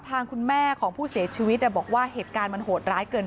ทางคุณแม่ของผู้เสียชีวิตบอกว่าเหตุการณ์มันโหดร้ายเกิน